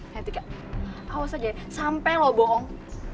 nanti kak awas aja ya sampai lo bohong